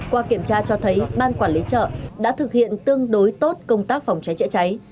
qua kiểm tra cho thấy ban quản lý chợ đã thực hiện tương đối tốt công tác phòng cháy chữa cháy